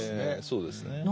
ええそうですね。